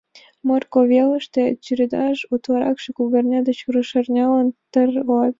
Морко велыште тӱредаш утларакше кугарня ден рушарнян тарлат...